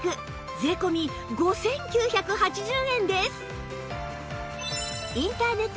税込５９８０円です！